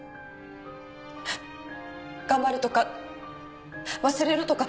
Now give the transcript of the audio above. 頑張れとか忘れろとか。